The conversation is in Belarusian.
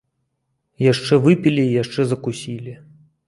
Яшчэ выпілі і яшчэ закусілі.